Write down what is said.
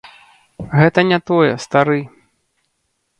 Гэта не тое, стары.